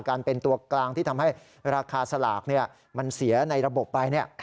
เป็นตัวกลางที่ทำให้ราคาสลากมันเสียในระบบไป